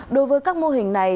đối với các mô hình này